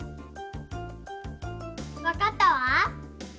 わかったわ。